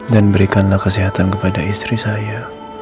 dan berikanlah kesehatan kepada istri saya